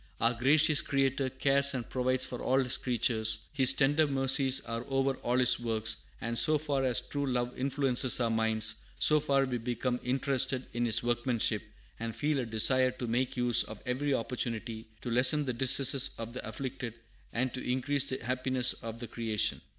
"Our gracious Creator cares and provides for all His creatures; His tender mercies are over all His works, and so far as true love influences our minds, so far we become interested in His workmanship, and feel a desire to make use of every opportunity to lessen the distresses of the afflicted, and to increase the happiness of the creation.